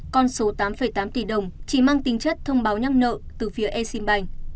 con số tám tám tỷ đồng chỉ mang tính chất thông báo nhắc nợ từ phía exim bank